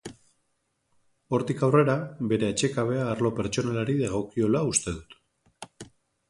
Hortik aurrera, bere atsekabea arlo pertsonalari dagokiola uste dut.